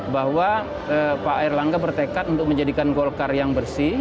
bahwa pak erlangga bertekad untuk menjadikan golkar yang bersih